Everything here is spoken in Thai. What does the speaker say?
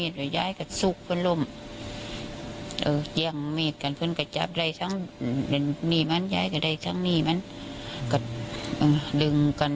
ทั้งนี้มันย้ายก็ได้ทั้งนี้มันก็ดึงกัน